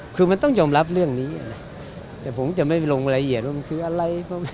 คือมันต้องยอมรับเรื่องนี้นะแต่ผมจะไม่ลงรายละเอียดว่ามันคืออะไร